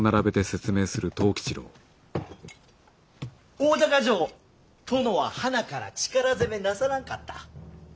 大高城を殿ははなから力攻めなさらんかった。